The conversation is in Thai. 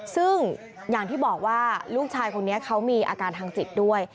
ซึ่งอย่างที่บอกว่าลูกชายคนนี้เขามีอาการทางจิตด้วย